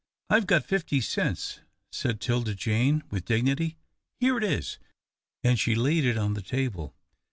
"I've got fifty cents," said 'Tilda Jane, with dignity. "Here it is," and she laid it on the table.